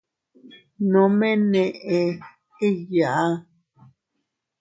Nome neʼe igyaa.